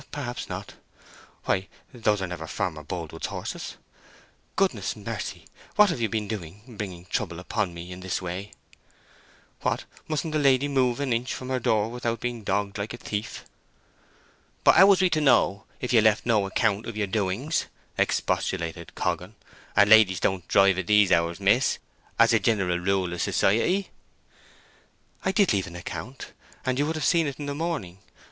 "Perhaps not. Why, those are never Farmer Boldwood's horses! Goodness mercy! what have you been doing—bringing trouble upon me in this way? What! mustn't a lady move an inch from her door without being dogged like a thief?" "But how was we to know, if you left no account of your doings?" expostulated Coggan, "and ladies don't drive at these hours, miss, as a jineral rule of society." "I did leave an account—and you would have seen it in the morning.